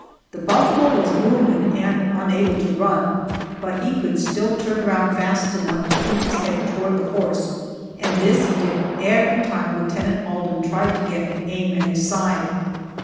The buffalo was wounded and unable to run, but he could still turn around fast enough to keep his head toward the horse, and this he did every time Lieutenant Alden tried to get an aim at his side.